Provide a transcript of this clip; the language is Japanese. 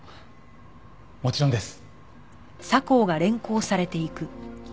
もちろんです。